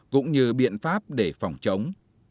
cũng như biện pháp để phòng chống